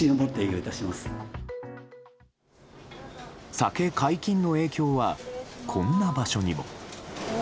酒解禁の影響はこんな場所にも。